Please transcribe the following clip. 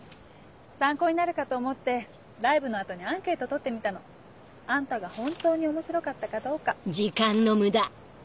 参考になるかと思ってライブの後にアンケート取ってみたの。あんたが本当に面白かったかどうか。